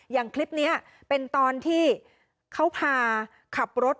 อย่างคลิปนี้เป็นตอนที่เขาพาขับรถ